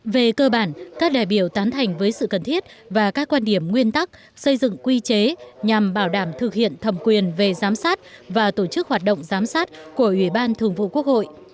về cơ bản các đại biểu tán thành với sự cần thiết và các quan điểm nguyên tắc xây dựng quy chế nhằm bảo đảm thực hiện thẩm quyền về giám sát và tổ chức hoạt động giám sát của ủy ban thường vụ quốc hội